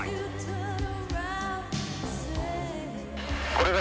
これが。